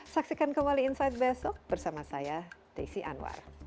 saksikan kembali insight besok bersama saya desi anwar